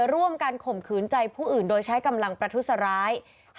ร่วมกันข่มขืนใจผู้อื่นโดยใช้กำลังประทุษร้าย